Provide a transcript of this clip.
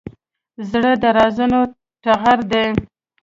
زړه د رازونو ټغر دی.